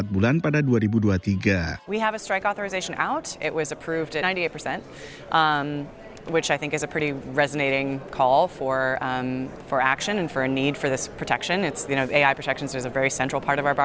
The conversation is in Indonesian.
empat bulan pada dua ribu dua puluh tiga